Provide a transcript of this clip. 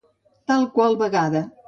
Tal qual vegada.